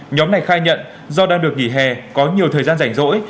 nhóm này khai nhận do đang được nghỉ hè có nhiều thời gian rảnh rỗi